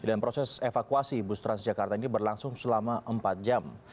dan proses evakuasi bus transjakarta ini berlangsung selama empat jam